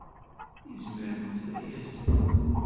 Izmer nesra-yasen.